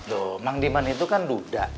duh mang diman itu kan duda